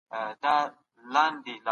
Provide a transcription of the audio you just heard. که عاید لوړ سي د خلګو د ژوند کچه ښه کیږي.